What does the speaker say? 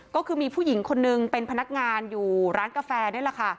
ก็คือมีผู้หญิงคนนึงเป็นพนักงานอยู่ร้านกาแฟนี่แหละค่ะ